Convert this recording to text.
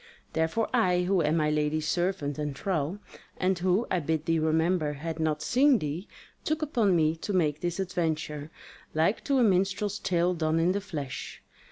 Therefore I, who am my lady's servant and thrall, and who, I bid thee remember, had not seen thee, took upon me to make this adventure, like to a minstrel's tale done in the flesh.